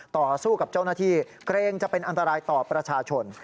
ต่อสู้กับเจ้าหน้าที่เกรงจะเป็นอันตรายต่อประชาชน